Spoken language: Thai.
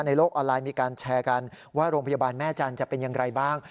โลกออนไลน์มีการแชร์กันว่าโรงพยาบาลแม่จันทร์จะเป็นอย่างไรบ้าง